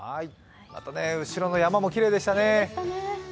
後ろの山もきれいでしたね。